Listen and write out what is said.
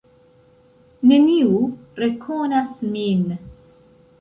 Neniu rekonas min.